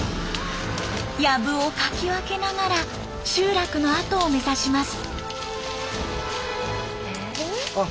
やぶをかき分けながら集落の跡を目指します。